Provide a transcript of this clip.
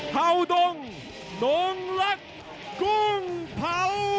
เพื่อรักษา